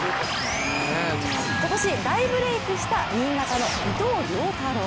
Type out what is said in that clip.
今年大ブレークした新潟の伊藤涼太郎。